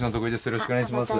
よろしくお願いします。